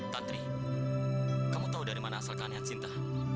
tantri kamu tahu dari mana asal keanehan sinta